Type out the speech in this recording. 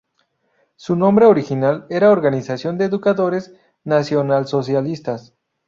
Su nombre original era Organización de Educadores Nacionalsocialistas.